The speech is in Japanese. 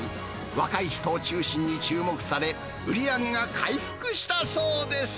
若い人を中心に注目され、売り上げが回復したそうです。